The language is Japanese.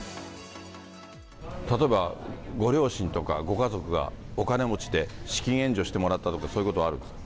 例えばご両親とかご家族がお金持ちで、資金援助してもらったとか、そういうことはあるんですか？